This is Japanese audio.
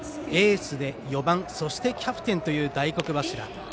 エースで４番そしてキャプテンという大黒柱。